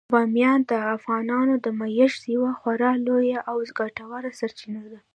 بامیان د افغانانو د معیشت یوه خورا لویه او ګټوره سرچینه ده.